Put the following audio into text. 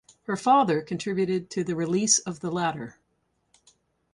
Her father contributed to the release of the latter.